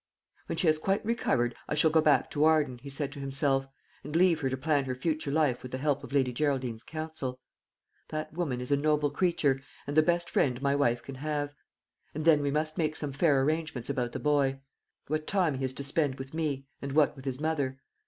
"When she has quite recovered, I shall go back to Arden," he said to himself; "and leave her to plan her future life with the help of Lady Geraldine's counsel. That woman is a noble creature, and the best friend my wife can have. And then we must make some fair arrangement about the boy what time he is to spend with me, and what with his mother.